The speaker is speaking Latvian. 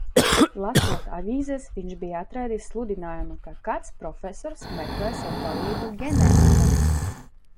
Lasot avīzes viņš bija atradis sludinājumu, ka kāds profesors meklē sev palīgu ģenētikā.